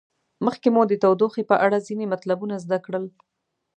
مخکې مو د تودوخې په اړه ځینې مطلبونه زده کړل.